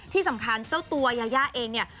ที่สำคัญเจ้าตัวยายาเองเนี่ย